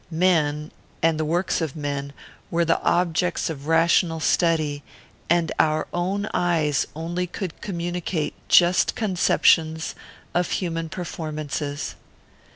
Men, and the works of men, were the objects of rational study, and our own eyes only could communicate just conceptions of human performances.